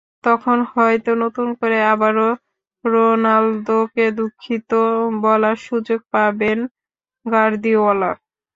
তখন হয়তো নতুন করে আবারও রোনালদোকে দুঃখিত বলার সুযোগ পাবেন গার্দিওলা।